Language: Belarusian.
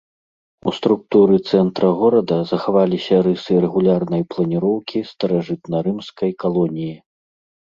У структуры цэнтра горада захаваліся рысы рэгулярнай планіроўкі старажытнарымскай калоніі.